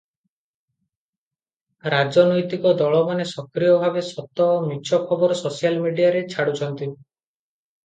ରାଜନୈତିକ ଦଳମାନେ ସକ୍ରିୟ ଭାବେ ସତ ଓ ମିଛ ଖବର ସୋସିଆଲ ମିଡ଼ିଆରେ ଛାଡୁଛନ୍ତି ।